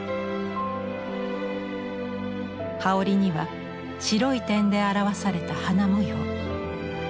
羽織には白い点で表された花模様。